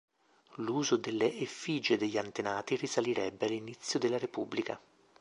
L'uso delle effigie degli antenati risalirebbe all'inizio della repubblica.